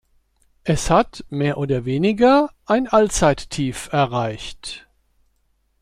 Es hat mehr oder weniger ein Allzeit-Tief erreicht.